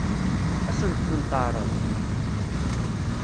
Ad sent-ten-teɛṛeḍ?